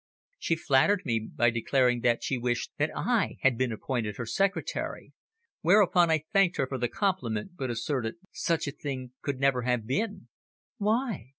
She flattered me by declaring that she wished that I had been appointed her secretary, whereupon I thanked her for the compliment, but asserted "Such a thing could never have been." "Why?"